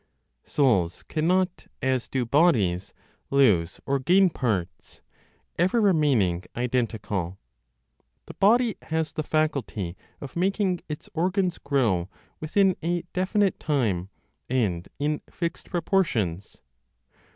(Souls cannot, as do bodies, lose or gain parts, ever remaining identical.) The body has the faculty of making its organs grow within a definite time and in fixed proportions.